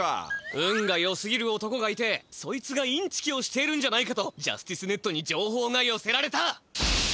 運がよすぎる男がいてそいつがインチキをしているんじゃないかとジャスティスネットにじょうほうがよせられた。